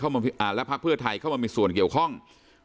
เข้ามีส่วนเกี่ยวข้องเพราะเขาไม่มีส่วนเกี่ยวข้อง